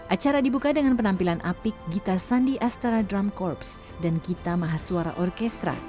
acara dibuka dengan penampilan apik gita sandi astara drum corps dan gita mahasuara orkestra